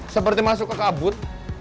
seperti masuk ke kabut